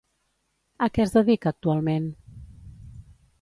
A què es dedica actualment?